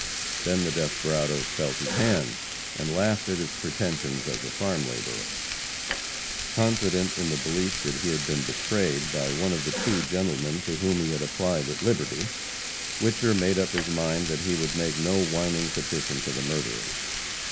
Then the desperadoes felt of his hands, and laughed at his pretensions as a farm laborer. [Illustration: Whicher Meets His Fate.] Confident in the belief that he had been betrayed by one of the two gentlemen to whom he had applied at Liberty, Whicher made up his mind that he would make no whining petition to the murderers.